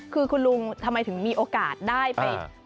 คือคุณลุงทำไมถึงมีโอกาสได้ไป